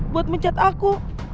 buat mencat aku